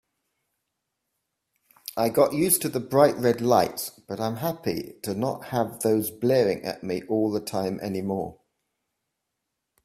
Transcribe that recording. I got used to the bright red lights, but I'm happy to not have those blaring at me all the time anymore.